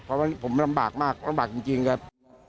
เพราะว่าผมลำบากมากลำบากจริงครับ